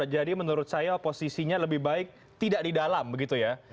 jadi menurut saya posisinya lebih baik tidak di dalam begitu ya